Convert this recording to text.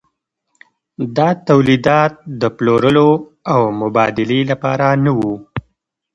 دا تولیدات د پلورلو او مبادلې لپاره نه وو.